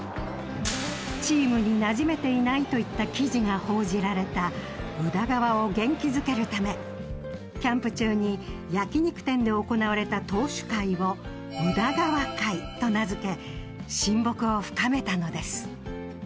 チームになじめていないといった記事が報じられた宇田川を元気づけるためキャンプ中に焼肉店で行われた投手会を「宇田川会」と名付け親睦を深めたのです。